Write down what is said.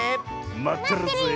まってるぜえ。